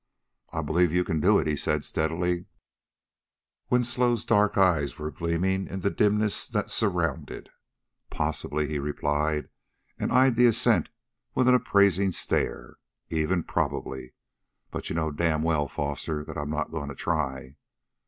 "I believe you can do it," he said steadily. Winslow's dark eyes were gleaming in the dimness that surrounded. "Possibly," he replied, and eyed the ascent with an appraising stare. "Even probably. But you know damn well, Foster, that I'm not going to try."